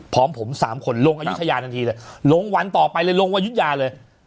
พร้อมสามคนลงอยู่ทะยานานทีนี้ลงวันต่อไปลงอยู่ทะยาเลย